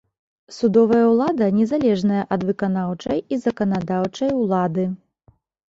Судовая ўлада незалежная ад выканаўчай і заканадаўчай улады.